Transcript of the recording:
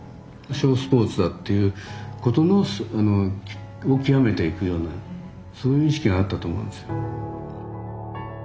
ショースポーツだっていうことのを極めていくようなそういう意識があったと思うんですよ。